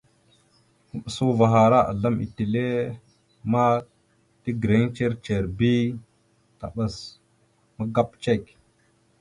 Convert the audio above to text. Maɓəsa uvah ara azlam etelle ma tegreŋ ndzir ndzir bi taɓas magap cek.